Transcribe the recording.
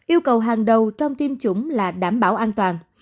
yêu cầu hàng đầu trong tiêm chủng là đảm bảo an toàn